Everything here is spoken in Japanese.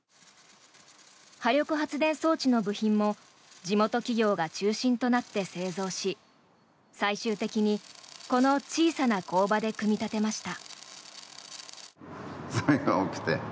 波力発電装置の部品も地元企業が中心となって製造し最終的に、この小さな工場で組み立てました。